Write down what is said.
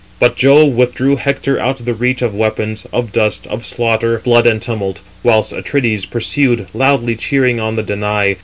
But Jove withdrew Hector out of the reach of weapons, of dust, of slaughter, blood and tumult, whilst Atrides pursued, loudly cheering on the Danai.